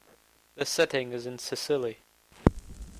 The setting is in Sicily.